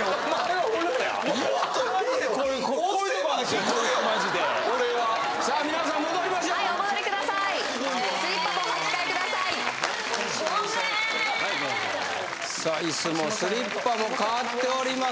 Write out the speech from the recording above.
はいどうぞさあ椅子もスリッパも変わっております